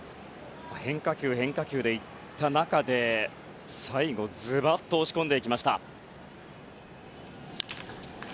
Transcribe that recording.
変化球、変化球でいった中で最後、ズバッと押し込んでいきました。